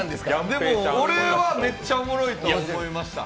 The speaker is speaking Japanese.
でも、俺はめっちゃおもろいと思いました。